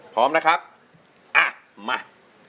พร้อมนะครับมา